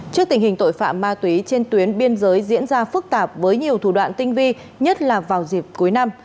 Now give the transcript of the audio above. trước tình hình tội phạm ma túy trên tuyến biên giới diễn ra phức tạp với nhiều thủ đoạn tinh vi nhất là vào dịp cuối năm